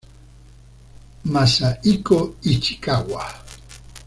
Masahiko Ichikawa